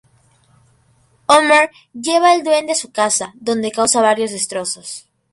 Homer lleva al duende a su casa, donde causa varios destrozos.